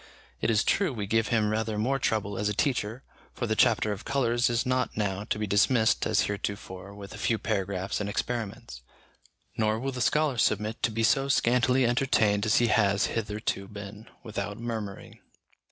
It is true we give him rather more trouble as a teacher, for the chapter of colours is not now to be dismissed as heretofore with a few paragraphs and experiments; nor will the scholar submit to be so scantily entertained as he has hitherto been, without murmuring.